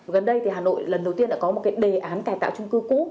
gần đây thì hà nội lần đầu tiên đã có một cái đề án cải tạo trung cư cũ